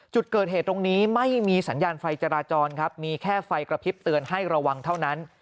จุดเกิดเหตุตรงนี้ไม่มีสัญญาณไฟจราจรครับมีแค่ไฟกระพริบเตือนให้ระวังเท่านั้น